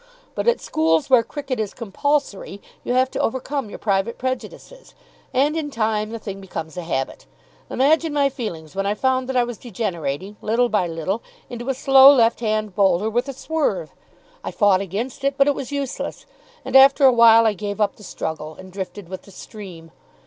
But at schools where cricket is compulsory you have to overcome your private prejudices. And in time the thing becomes a habit. Imagine my feelings when I found that I was degenerating, little by little, into a slow left hand bowler with a swerve. I fought against it, but it was useless, and after a while I gave up the struggle, and drifted with the stream.